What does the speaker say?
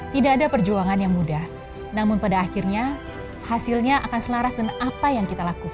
tidak ada perjuangan yang mudah namun pada akhirnya hasilnya akan selaras dengan apa yang kita lakukan